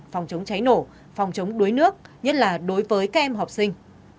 phòng chống cháy nổ phòng chống đuối nước nhất là đối với các em học sinh